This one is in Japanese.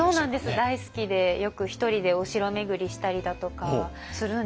大好きでよく１人でお城巡りしたりだとかするんですよ。